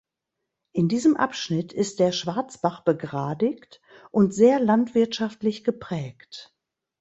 In diesem Abschnitt ist der Schwarzbach begradigt und sehr landwirtschaftlich geprägt.